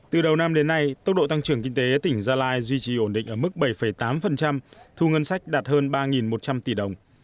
từ đầu năm đến nay tốc độ tăng trưởng kinh tế tỉnh gia lai duy trì ổn định ở mức bảy tám thu ngân sách đạt hơn ba một trăm linh tỷ đồng